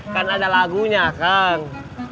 kan ada lagunya kang